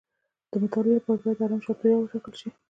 د مطالعې لپاره باید ارام چاپیریال وټاکل شي.